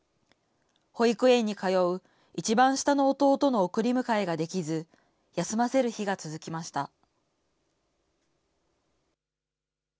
保育園に通う一番下の弟の送り迎えができず、休ませる日が続きました。